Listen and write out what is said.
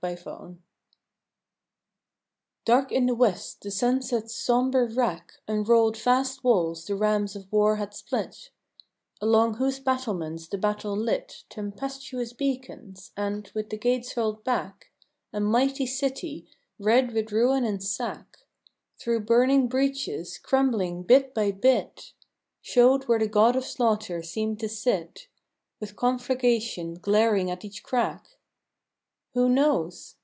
SIMULACRA Dark in the west the sunset's somber wrack Unrolled vast walls the rams of war had split, Along whose battlements the battle lit Tempestuous beacons; and, with gates hurled back, A mighty city, red with ruin and sack, Through burning breaches, crumbling bit by bit, Showed where the God of Slaughter seemed to sit With conflagration glaring at each crack. Who knows?